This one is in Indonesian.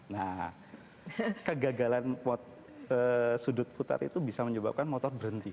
nah kegagalan sudut putar itu bisa menyebabkan motor berhenti